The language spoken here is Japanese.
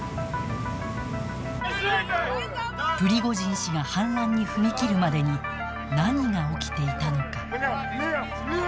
プリゴジン氏が反乱に踏み切るまでに何が起きていたのか。